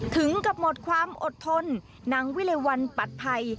ถึงกับหมดความอดทนนางวิเลวัลปัดภัย